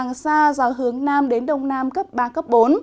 nắng xa do hướng nam đến đông nam cấp ba bốn